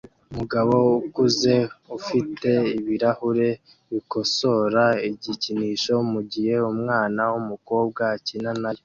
Umugabo ukuze ufite ibirahure bikosora igikinisho mugihe umwana wumukobwa akina nayo